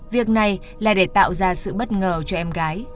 việc này là để tạo ra sự bất ngờ cho em gái